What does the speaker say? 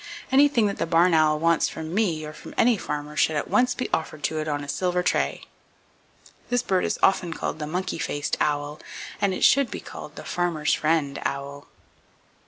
Anything that the barn owl wants from me, or from any farmer, should at once be offered to it, on a silver tray. This bird is often called the Monkey Faced Owl, and it should be called the Farmer's Friend Owl.